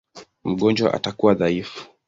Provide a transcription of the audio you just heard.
Mgonjwa atakuwa dhaifu.